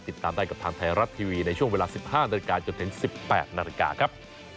ติดตามได้กับไทยรัฐทีวีในช่วงเวลา๑๕นจนถึง๑๘นครับ